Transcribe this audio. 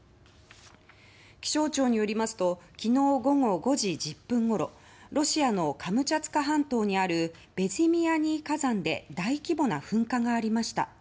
気象庁によりますと昨日午後５時１０分ごろロシアのカムチャツカ半島にあるベズィミアニィ火山で大規模な噴火がありました。